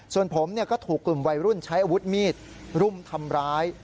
ส่วนผมก็ถูกกลุ่มวัยรุ่นใช้อาวุธมีดรุมทำร้าย